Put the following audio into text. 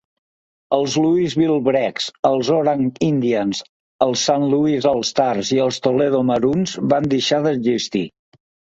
Els Louisville Brecks, els Oorang Indians, els Saint Louis All Stars i els Toledo Maroons van deixar d'existir.